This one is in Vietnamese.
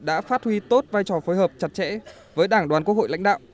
đã phát huy tốt vai trò phối hợp chặt chẽ với đảng đoàn quốc hội lãnh đạo